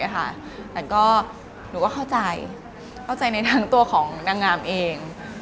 แต่ก็หนูก็เข้าใจเข้าใจในทั้งตัวของนางงามเอง